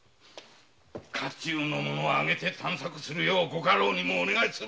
家中の者は挙げて探索するようご家老にもお願いする。